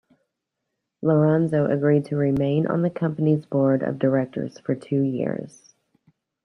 Lorenzo agreed to remain on the company's Board of Directors for two years.